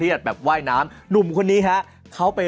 ยังไง